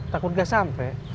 takut gak sampai